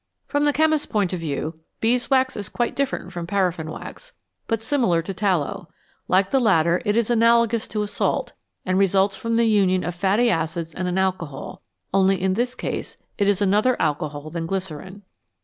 From the chemist's point of view, beeswax is quite different from paraffin wax, but similar to tallow ; like the latter, it is analogous to a salt, and results from the union of fatty acids and an alcohol, only in this case it is another alcohol than glycerine.